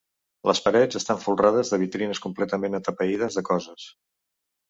Les parets estan folrades de vitrines completament atapeïdes de coses.